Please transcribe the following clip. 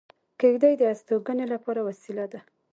کېږدۍ د استوګنې لپاره وسیله ده